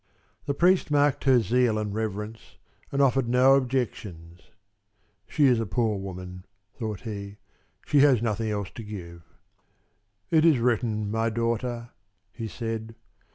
The priest marked her zeal and reverence and offered no objections. "She is a poor woman," thought he. "She has nothing else to give." "It is written, my daughter," he said.